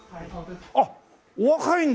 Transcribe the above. あっお若いんだ。